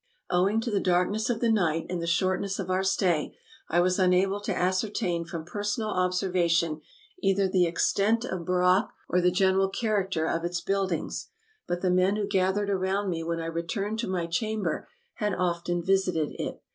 Owing to the darkness of the night and the shortness of our stay, I was unable to ascertain from personal observa tion either the extent of Burak or the general character of its buildings ; but the men who gathered around me when I re turned to my chamber had often visited it.